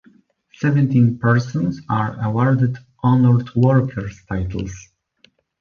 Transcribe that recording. Seventeen persons are awarded "Honored Workers" titles.